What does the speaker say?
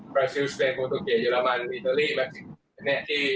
เปราเซียนสเตนโมโตเกยอรามันอิตาลีเม็กซิโกะ